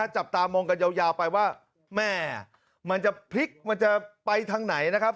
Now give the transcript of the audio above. จับตามองกันยาวไปว่าแม่มันจะไปทางไหนนะครับ